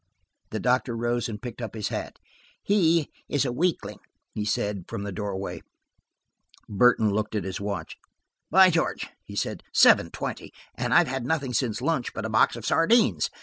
The doctor rose and picked up his hat. "He is a weakling," he said, from the doorway. Burton looked at his watch. "By George!" he said. "Seven twenty, and I've had nothing since lunch but a box of sardines.